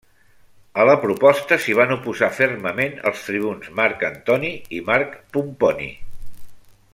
A la proposta s'hi van oposar fermament els tribuns Marc Antoni i Marc Pomponi.